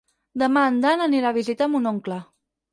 Demà en Dan anirà a visitar mon oncle.